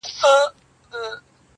بیا را ژوندي کړو د بابا لښکري٫